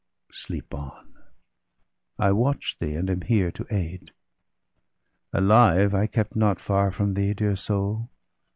Sleep on ; I watch thee, and am here to aid. Alive I kept not far from thee, dear soul!